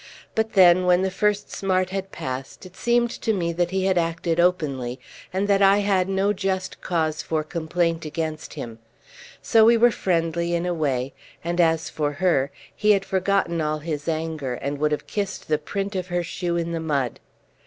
But then, when the first smart was passed, it seemed to me that he had acted openly, and that I had no just cause for complaint against him. So we were friendly, in a way; and as for her, he had forgotten all his anger, and would have kissed the print of her shoe in the mud.